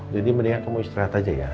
jadi mendingan kamu istirahat aja ya